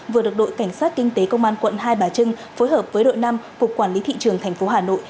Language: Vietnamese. vừa được đội cảnh sát kinh tế công an quận hai bà trưng phối hợp với đội năm cục quản lý thị trường tp hà nội